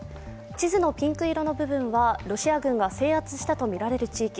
地図のピンク色の部分はロシア軍が制圧したとみられる地域。